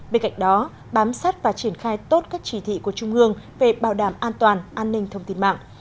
bên cạnh đó bám sát và triển khai tốt các chỉ thị của trung ương về bảo đảm an toàn an ninh thông tin mạng